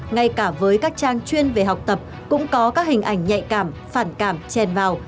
ngay cả với các trang chuyên về học tập cũng có các hình ảnh nhạy cảm phản cảm chèn vào